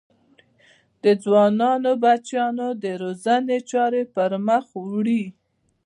د ځوانو بچیانو د روزنې چارې پر مخ ویوړې.